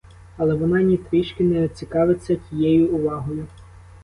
Але вона ні трішки не цікавиться тією увагою.